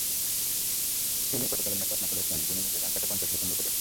তিনিই গতকালের ম্যাচে একমাত্র ব্যাটসম্যান, যিনি নিজের রানটাকে পঞ্চাশের ওপরে নিতে পেরেছেন।